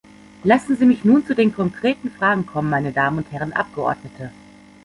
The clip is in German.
Lassen Sie mich nun zu den konkreten Fragen kommen, meine Damen und Herren Abgeordnete.